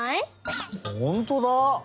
ほんとうだ！